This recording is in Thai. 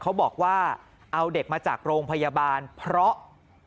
เขาบอกว่าเอาเด็กมาจากโรงพยาบาลเพราะ